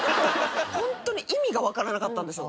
本当に意味がわからなかったんですよ